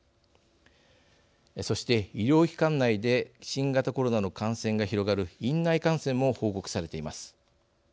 そして、医療機関内で新型コロナの感染が広がる院内感染も報告されています。